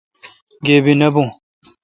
گیبی نہ بون۔